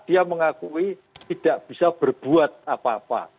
dia mengakui tidak bisa berbuat apa apa